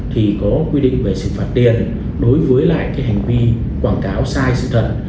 thì có quy định về xử phạt tiền đối với lại cái hành vi quảng cáo sai sự thật